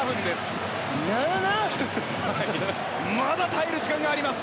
まだ耐える時間があります。